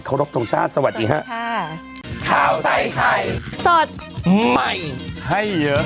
โขลบตรงชาติสวัสดีค่ะสวัสดีค่ะ